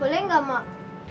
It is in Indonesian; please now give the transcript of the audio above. boleh enggak mak